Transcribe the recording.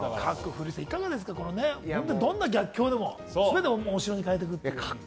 どんな逆境でも全て面白さに変えていくという。